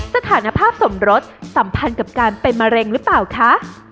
สถานภาพสมรสสัมพันธ์กับการเป็นมะเร็งหรือเปล่าคะ